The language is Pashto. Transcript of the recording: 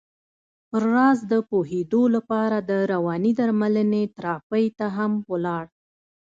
پر راز د پوهېدو لپاره د روانې درملنې تراپۍ ته هم ولاړ.